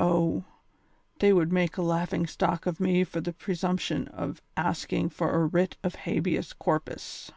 Oh, they would make a laughing stock of me for the presumption of asking for a writ of habeas corpus."